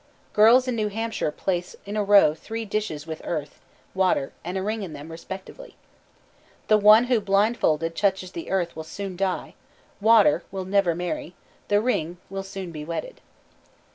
Girls in New Hampshire place in a row three dishes with earth, water, and a ring in them, respectively. The one who blindfolded touches earth will soon die; water, will never marry; the ring, will soon be wedded.